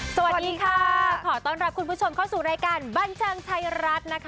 สวัสดีค่ะขอต้อนรับคุณผู้ชมเข้าสู่รายการบันเทิงไทยรัฐนะคะ